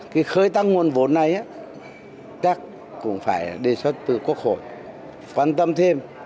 cái khởi tăng nguồn vốn này chắc cũng phải đề xuất từ quốc hội quan tâm thêm